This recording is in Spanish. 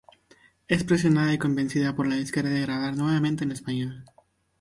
Es presionada y convencida por la disquera de grabar nuevamente en español.